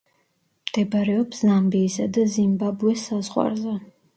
მდებარეობს ზამბიისა და ზიმბაბვეს საზღვარზე.